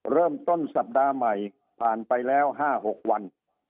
เริ่มต้นสัปดาห์ใหม่ผ่านไปแล้ว๕๖วัน